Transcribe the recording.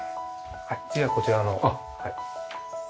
はい次はこちらの。